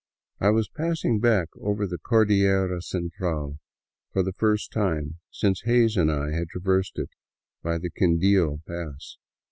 I was passing back over the Cordillera Central for the first time since Hays and I had traversed it by the Quindio pass.